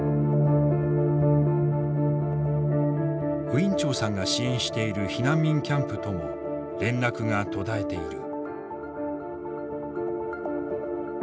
ウィン・チョウさんが支援している避難民キャンプとも連絡が途絶えている。